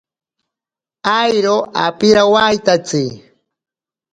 Airo apirawaitatsi.